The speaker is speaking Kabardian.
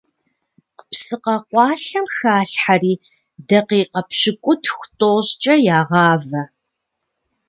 Псы къэкъуалъэм халъхьэри дакъикъэ пщыкӏутху-тӏощӏкъэ ягъавэ.